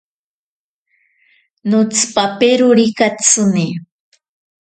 Notsipaperori katsini.